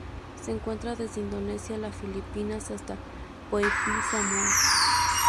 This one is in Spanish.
Se encuentra desde Indonesia las Filipinas hasta Pohnpei y Samoa.